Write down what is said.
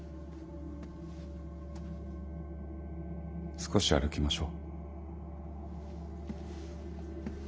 少し歩きましょう。